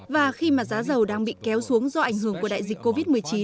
và khi mà giá dầu đang bị kéo xuống do ảnh hưởng của đại dịch covid một mươi chín